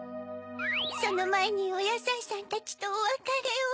そのまえにおやさいさんたちとおわかれを。